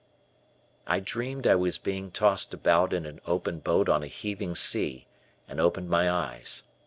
I dreamed I was being tossed about in an open boat on a heaving sea and opened my eyes.